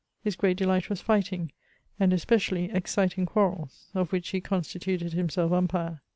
His great delight was fighting, and especially exciting quarrels, of which he constituted himself umpire.